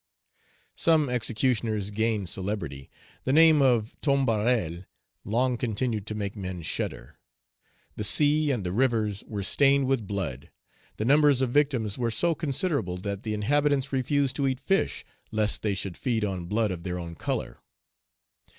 Some executioners gained celebrity; the name of Tombarel long continued to make men shudder. The sea and the rivers were stained Page 266 with blood. The numbers of victims were so considerable that the inhabitants refused to eat fish, lest they should feed on blood of their own color.